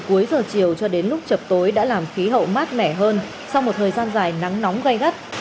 cuối giờ chiều cho đến lúc chập tối đã làm khí hậu mát mẻ hơn sau một thời gian dài nắng nóng gây gắt